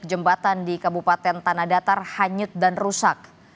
jembatan di kabupaten tanah datar hanyut dan rusak